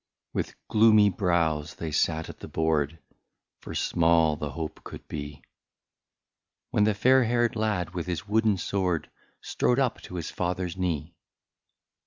With gloomy brows they sat at the board, For small the hope could be, When the fair haired lad with his wooden sword, Strode up to his father's knee.